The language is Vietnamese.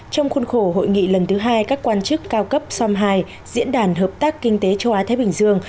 trong khuôn khổ hội nghị lần thứ hai các quan chức cao cấp som hai diễn đàn hợp tác kinh tế châu á thái bình dương